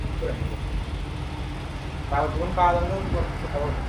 পরম, স্বপ্ন দেখছিস, তাই না?